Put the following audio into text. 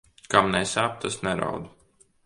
Kam nesāp, tas neraud.